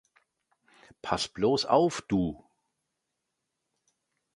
Pass bloß auf, du!